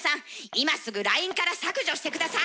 今すぐＬＩＮＥから削除して下さい！